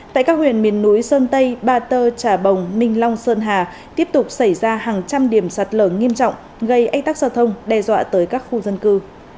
tại các huyện miền núi sơn tây ba tơ trà bồng minh long sơn hà tiếp tục xảy ra hàng trăm điểm sạt lở nghiêm trọng gây ách tắc giao thông đe dọa tới các khu dân cư